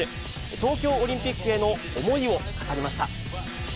東京オリンピックへの思いを語りました。